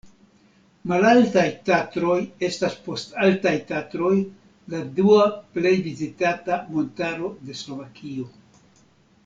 Malaltaj Tatroj estas post Altaj Tatroj la dua plej vizitata montaro de Slovakio.